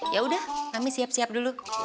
ya udah kami siap siap dulu